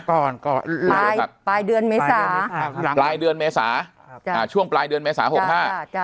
ก่อนก่อนปลายเดือนเมษาปลายเดือนเมษาช่วงปลายเดือนเมษา๖๕